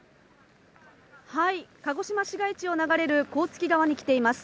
鹿児島市街地を流れる甲突川に来ています。